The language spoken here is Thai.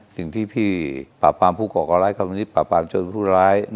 สิ่งที่พี่ปรากฟาร์มผู้กรอกร้ายกรรมนิจปรากฟาร์มชนผู้ร้าย